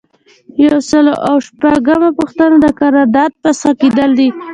یو سل او شپږمه پوښتنه د قرارداد فسخه کیدل دي.